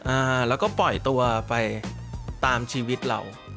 อ่าแล้วก็ปล่อยตัวไปตามชีวิตเรา